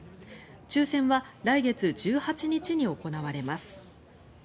抽選は来月１８日に行われます。